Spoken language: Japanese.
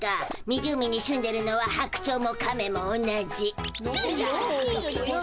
湖に住んでいるのは白鳥も亀も同じ。